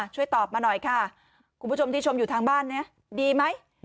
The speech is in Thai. ช่วยตอบมาหน่อยค่ะคุณผู้ชมที่ชมอยู่ทางบ้านเนี่ยดีไหม